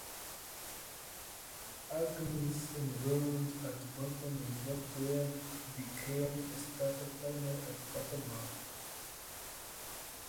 Aggainis enrolled at Boston University, where he became a starter, primarily at quarterback.